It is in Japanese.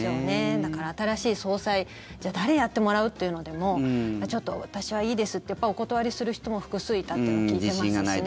だから新しい総裁誰やってもらうっていうのでもちょっと私はいいですってお断りする人も複数いたというのは聞いてますしね。